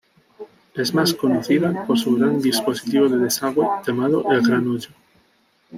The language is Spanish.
Es más conocida por su gran dispositivo de desagüe, llamado "El Gran Hoyo".